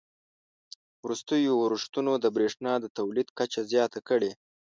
وروستیو اورښتونو د بریښنا د تولید کچه زیاته کړې